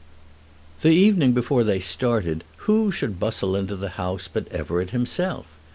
The evening before they started who should bustle into the house but Everett himself.